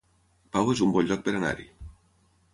Pau es un bon lloc per anar-hi